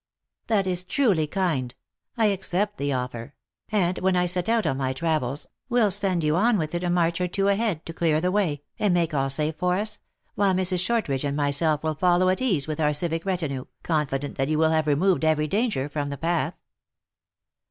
" That is truly kind. I accept the offer ; and when I set out on my travels, will send you on with it a march or two ahead, to clear the way, and make all safe for us, while Mrs. Shortridge and myself will follow at ease with our civic retinue, confident that you will have removed every danger from the path!"